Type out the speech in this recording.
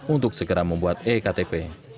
untuk segera membuat iktp